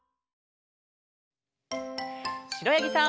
しろやぎさん。